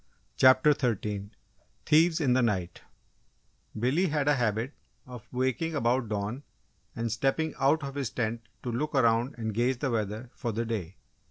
CHAPTER THIRTEEN THIEVES IN THE NIGHT Billy had a habit of waking about dawn and stepping out of his tent to look around and gauge the weather for the day.